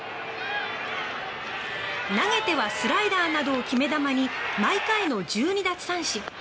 投げてはスライダーなどを決め球に毎回の１２奪三振！